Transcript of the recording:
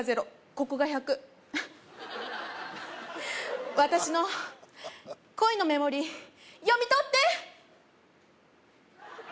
ここが１００私の恋の目盛り読み取って！